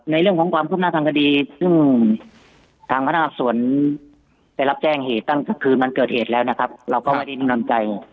เรื่องของความคืบหน้าทางคดีซึ่งทางพนักงานสวนได้รับแจ้งเหตุตั้งแต่คืนมันเกิดเหตุแล้วนะครับเราก็ไม่ได้นิ่งนอนใจ